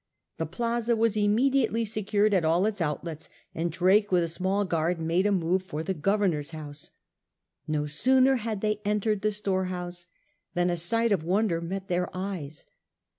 The Plaza was immediately secured at all its outlets, and Drake with a small guard made a move for the Gover nor's house. No sooner had they entered the storehouse than a sight of wonder met their eyes.